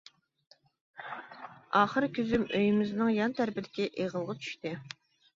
ئاخىرى كۆزۈم ئۆيىمىزنىڭ يان تەرىپىدىكى ئېغىلغا چۈشتى.